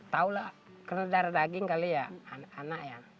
tahu lah kena darah daging kali ya anak ya